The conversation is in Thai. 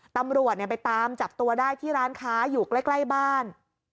ตำรวจไปตามจับตัวได้ที่ร้านค้าอยู่ใกล้บ้าน